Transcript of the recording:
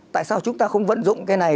tại sao chúng ta không vận dụng cái này